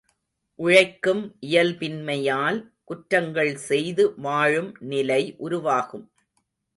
உழைக்கும் இயல்பின்மையால் குற்றங்கள் செய்து வாழும் நிலை உருவாகும்.